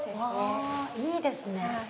いいですね。